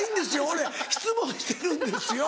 俺質問してるんですよ。